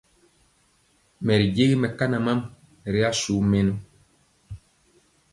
Mɛ ri jegi mɛkana mam ri asu mɛnɔ.